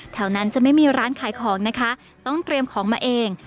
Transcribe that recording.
แถวนั้นจะไม่มีร้านขายของนะคะต้องเตรียมของมาเอง